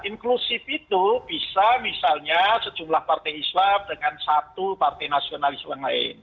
inklusif itu bisa misalnya sejumlah partai islam dengan satu partai nasionalis yang lain